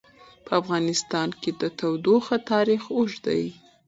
په افغانستان کې د تودوخه تاریخ اوږد دی.